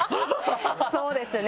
そうですね